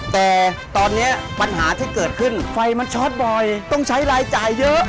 แต่ตอนนี้ปัญหาที่เกิดขึ้นไฟมันช็อตบ่อยต้องใช้รายจ่ายเยอะ